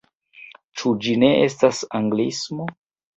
Ĉu ĝi ne estas anglismo?